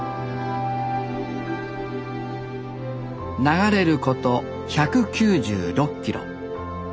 流れること１９６キロ。